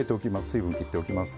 水分きっておきます。